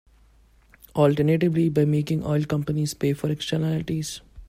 Alternatively, by making oil companies pay for externalities.